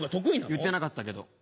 言ってなかったけど。